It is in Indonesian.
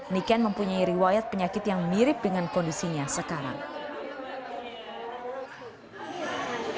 niken mempunyai riwayat penyakit yang mirip dengan kondisinya sekarang